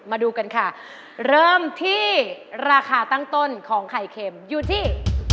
มาดูกันค่ะเริ่มที่ราคาตั้งต้นของไข่เค็มอยู่ที่